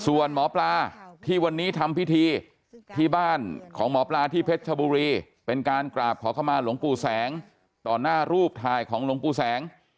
ส่วนหมอปลาที่วันนี้ทำพิธีที่บ้านของหมอปลาที่เพชรชบุรีเป็นการกราบขอเข้ามาหลวงปู่แสงต่อหน้ารูปถ่ายของหลวงปู่แสง